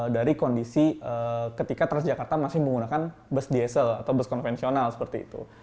dari kondisi ketika transjakarta masih menggunakan bus diesel atau bus konvensional seperti itu